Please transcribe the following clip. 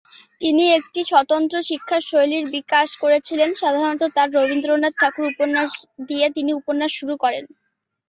তিনি একটি স্বতন্ত্র শিক্ষার শৈলীর বিকাশ করেছিলেন, সাধারণত তার রবীন্দ্রনাথ ঠাকুর উপন্যাস দিয়ে তিনি উপন্যাস শুরু করেন।